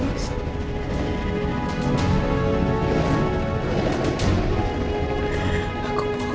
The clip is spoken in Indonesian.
lagi lagi yang bijak